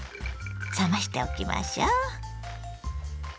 冷ましておきましょう。